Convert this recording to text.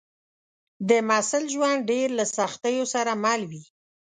د محصل ژوند ډېر له سختیو سره مل وي